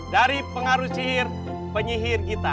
dari pengaruh sihir penyihir kita